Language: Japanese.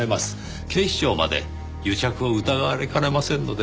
警視庁まで癒着を疑われかねませんので。